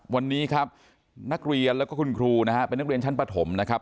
วันนี้ครับนักเรียนแล้วก็คุณครูนะฮะเป็นนักเรียนชั้นปฐมนะครับ